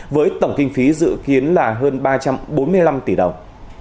với tổng kinh phí dự kiến là hơn ba trăm bốn mươi năm tỷ đồng